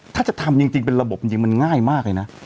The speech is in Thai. ถ้าจะทำจริงเป็นระบบจริงมันง่ายมากเลยนะ